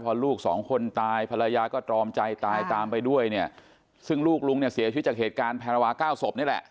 พอลูกสองคนตายภรรยาก็ตรอมใจตายตามไปด้วยเนี่ยซึ่งลูกลุงเนี่ยเสียชีวิตจากเหตุการณ์แพรวาเก้าศพนี่แหละ